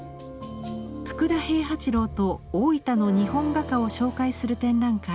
福田平八郎と大分の日本画家を紹介する展覧会。